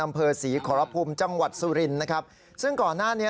อำเภอศรีขอรพุมจังหวัดสุรินนะครับซึ่งก่อนหน้านี้